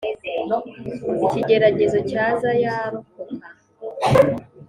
ikigeragezo cyaza yarokoka.